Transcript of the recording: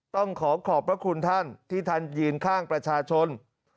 ต้องขอขอบพระคุณท่านที่ท่านยืนข้างประชาชน